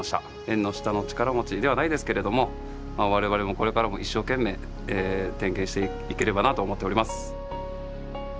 縁の下の力持ちではないですけれども我々もこれからも一生懸命点検していければなと思っております。